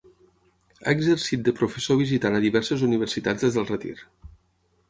Ha exercit de professor visitant a diverses universitats des del retir.